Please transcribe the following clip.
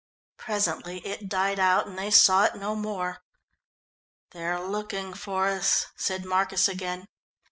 Presently it died out, and they saw it no more. "They're looking for us," said Marcus again.